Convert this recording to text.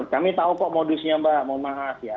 kami tahu kok modusnya mbak mohon maaf ya